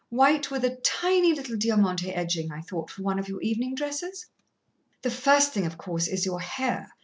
White with a tiny little diamanté edging, I thought, for one of your evenin' dresses.... "The first thing, of course, is your hair.